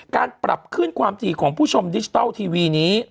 การปรับขึ้นความถี่ของผู้ชมดิจิทัลทีวีนี้